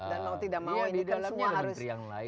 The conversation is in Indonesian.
dan mau tidak mau ini semua harus